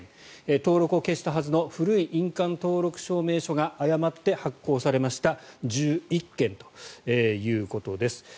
登録を消したはずの古い印鑑登録証明書が誤って発行されました１１件ということです。